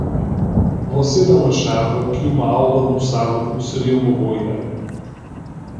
Você não achava que uma aula no sábado seria uma boa ideia.